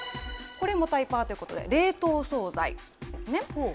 これもタイパということで、冷凍総菜ですね。